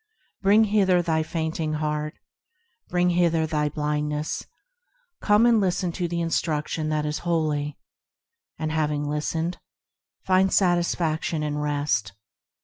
Bring hither thy fainting heart, Bring hither thy blindness, Come and listen to the instruction that is holy, And, having listened, find satisfaction and rest.